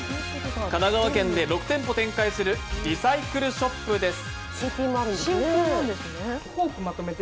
神奈川県で６店舗展開するリサイクルショップです。